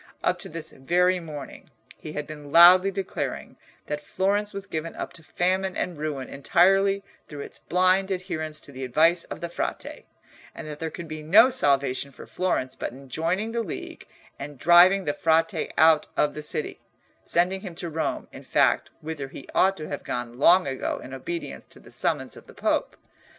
Up to this very morning he had been loudly declaring that Florence was given up to famine and ruin entirely through its blind adherence to the advice of the Frate, and that there could be no salvation for Florence but in joining the League and driving the Frate out of the city—sending him to Rome, in fact, whither he ought to have gone long ago in obedience to the summons of the Pope.